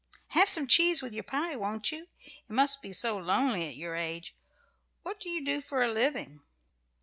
"Have some cheese with your pie, won't you? It must be so lonely at your age! What do you do for a living?"